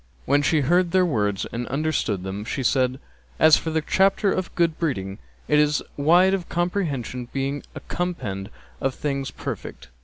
When she heard their words and understood them she said, "As for the chapter of good breeding, it is wide of comprehension, being a compend of things perfect.